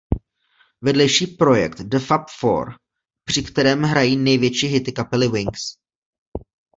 Vedlejší projekt The Fab Four při kterém hrají největší hity kapely Wings.